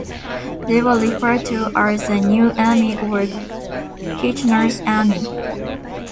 They were referred to as the New Army or Kitchener's Army.